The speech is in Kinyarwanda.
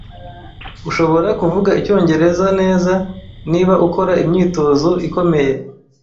Uzashobora kuvuga icyongereza neza niba ukora imyitozo ikomeye